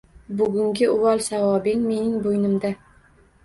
Bugungi uvol-savobing mening bo‘ynimda